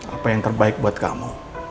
apa yang terbaik buat kamu